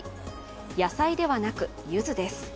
野菜ではなく、ゆずです。